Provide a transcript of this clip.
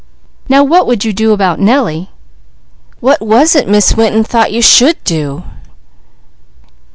Now what would you do about Nellie?" "What was it Miss Winton thought you should do?"